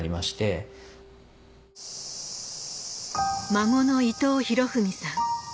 孫の伊藤博文さん